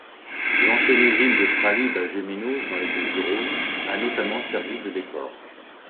L'ancienne usine de Fralib, à Gémenos, dans les Bouches-du-Rhône a notamment servi de décor.